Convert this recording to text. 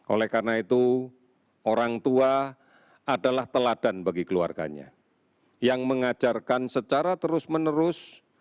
oleh karena itu orang tua adalah teladan bagi keluarganya yang mengajarkan secara terus menerus